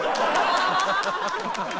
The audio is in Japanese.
ハハハハ！